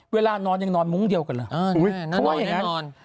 เวลานอนยังนอนมุ้งเงียวกันหรอ